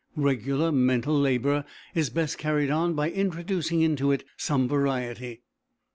Regular mental labour is best carried on by introducing into it some variety.